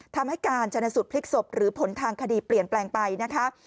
ทำให้การชนะสูตรพลิกศพหรือผลทางคดีเปลี่ยนแปลงไปนะคะ